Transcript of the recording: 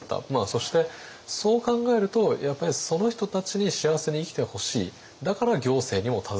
そしてそう考えるとやっぱりその人たちに幸せに生きてほしいだから行政にも携わる。